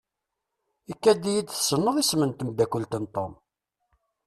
Ikad-iyi-d tessneḍ isem n temdakelt n Tom.